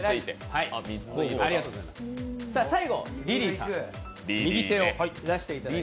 最後、リリーさん、右手を出していただいて。